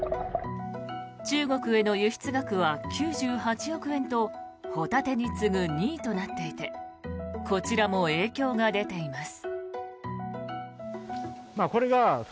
中国への輸出額は９８億円とホタテに次ぐ２位となっていてこちらも影響が出ています。